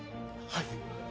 はい。